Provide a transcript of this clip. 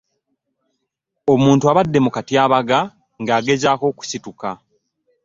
Omuntu abadde mu katyabaga ng'agezaako okusituka